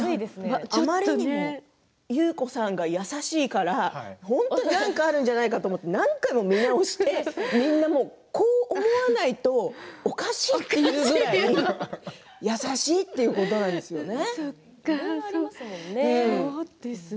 あまりにも優子さんが優しいから本当に何かあるんじゃないかって何回も見直しておかしいというぐらい優しいということなんですよね。